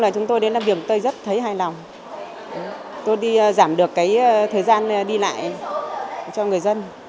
chúng tôi đến làm điểm tôi rất thấy hài lòng tôi đi giảm được thời gian đi lại cho người dân